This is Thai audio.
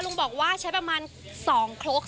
ลุงบอกว่าใช้ประมาณ๒ครก